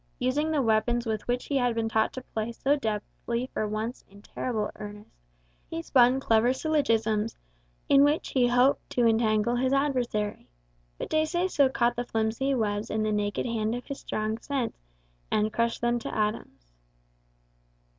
Using the weapons with which he had been taught to play so deftly for once in terrible earnest, he spun clever syllogisms, in which he hoped to entangle his adversary. But De Seso caught the flimsy webs in the naked hand of his strong sense, and crushed them to atoms.